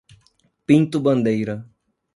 Pinto Bandeira